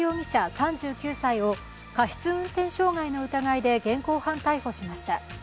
３９歳を過失運転傷害の疑いで現行犯逮捕しました。